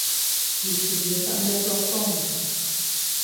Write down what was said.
Sie studierte an der Sorbonne.